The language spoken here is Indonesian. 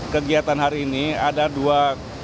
kegiatan hari ini ada dua